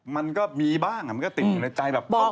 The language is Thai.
มันก็มีบ้างมันก็ติดอยู่ในใจแบบ